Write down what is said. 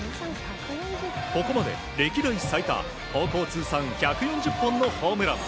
ここまで歴代最多高校通算１４０本のホームラン。